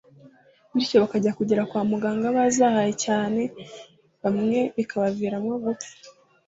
bityo bakajya kugera kwa muganga bazahaye cyane ndetse bamwe bikabaviramo gupfa